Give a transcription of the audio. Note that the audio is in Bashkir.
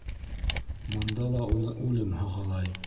Бында ла уны үлем һағалай.